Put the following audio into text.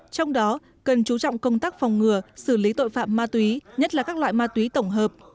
trong đó cần chú trọng công tác phòng ngừa xử lý tội phạm ma túy nhất là các loại ma túy tổng hợp